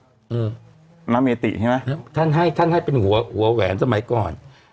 อืมน้ำเมติใช่ไหมท่านให้ท่านให้เป็นหัวหัวแหวนสมัยก่อน